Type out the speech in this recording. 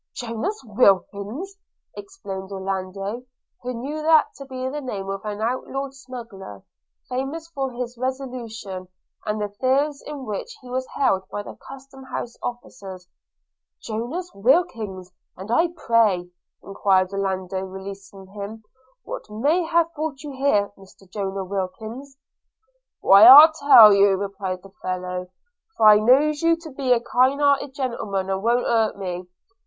'Jonas Wilkins!' exclaimed Orlando, who knew that to be the name of an outlawed smuggler, famous for his resolution, and the fears in which he was held by the custom house officers – 'Jonas Wilkins! And pray,' enquired Orlando, releasing him, 'what may have brought you here, Mr Jonas Wilkins?' 'Why, I'll tell you,' replied the fellow, 'for I knows you to be a kind hearted gentleman, and won't hurt me.